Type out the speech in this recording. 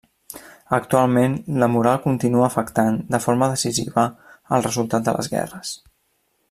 Actualment la moral continua afectant de forma decisiva el resultat de les guerres.